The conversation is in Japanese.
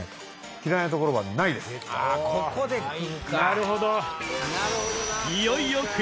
なるほど。